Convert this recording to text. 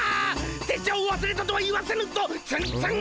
拙者をわすれたとは言わせぬぞツンツン頭！